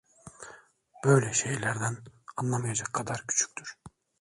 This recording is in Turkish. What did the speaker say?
Böyle şeylerden anlamayacak kadar küçüktür.